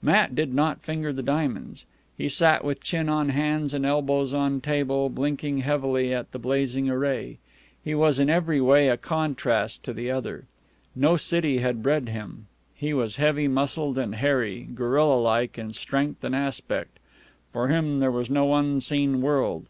Matt did not finger the diamonds. He sat with chin on hands and elbows on table, blinking heavily at the blazing array. He was in every way a contrast to the other. No city had bred him. He was heavy muscled and hairy, gorilla like in strength and aspect. For him there was no unseen world.